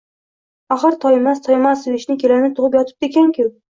Axir Toymas Toymasovichni kelini tug`ib yotibdi ekan-ku